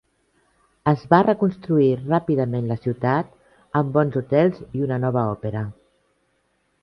Es va reconstruir ràpidament la ciutat amb bons hotels i una nova òpera.